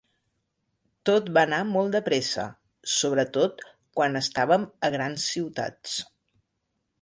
Tot va anar molt de pressa, sobretot quan estàvem a grans ciutats.